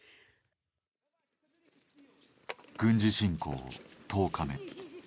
軍事侵攻１０日目。